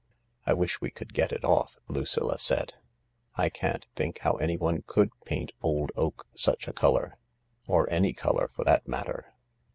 " I wish we could get it off," Lucilla said. " I can't think how anyone could paint old oak such a colour— or any colour for that matter.